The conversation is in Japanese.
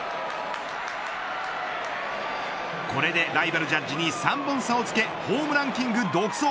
これでライバル、ジャッジに３本差をつけホームランキング独走。